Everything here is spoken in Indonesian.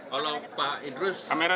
kalau pak idrus fokus di kementerian